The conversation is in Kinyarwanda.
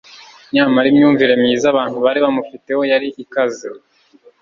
Nyamara imyumvire myiza abantu bari bamufiteho yari ikaze